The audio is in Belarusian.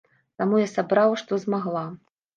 Таму я сабрала, што змагла.